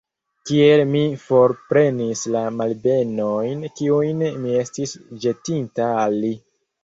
Kiel mi forprenis la malbenojn, kiujn mi estis ĵetinta al li!